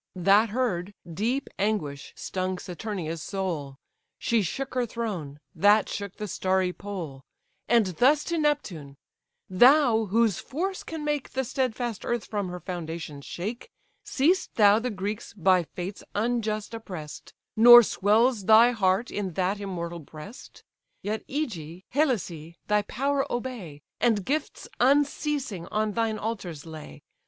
That heard, deep anguish stung Saturnia's soul; She shook her throne, that shook the starry pole: And thus to Neptune: "Thou, whose force can make The stedfast earth from her foundations shake, Seest thou the Greeks by fates unjust oppress'd, Nor swells thy heart in that immortal breast? Yet Ægae, Helicè, thy power obey, And gifts unceasing on thine altars lay.